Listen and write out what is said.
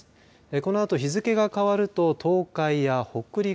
このあと日付が変わると東海や北陸